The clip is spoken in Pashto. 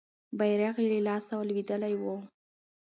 بیرغ یې له لاسه لوېدلی وو.